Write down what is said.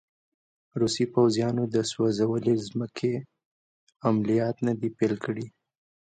روسي پوځیانو د سوځولې مځکې عملیات نه دي پیل کړي.